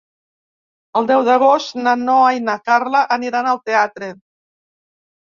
El deu d'agost na Noa i na Carla aniran al teatre.